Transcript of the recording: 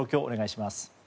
お願いします。